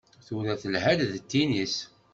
Tura telha-d d tinis.